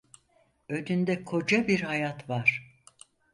Önünde koca bir hayat var.